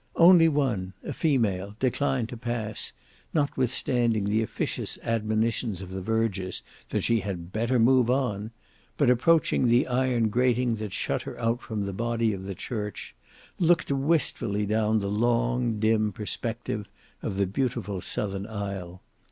One only, a female, declined to pass, notwithstanding the officious admonitions of the vergers that she had better move on, but approaching the iron grating that shut her out from the body of the church, looked wistfully down the long dim perspective of the beautiful southern aisle.